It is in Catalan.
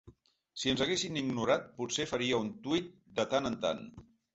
Si ens haguessin ignorat, potser faria un tweet de tant en tant.